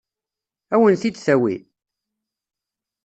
Ad wen-t-id-tawi?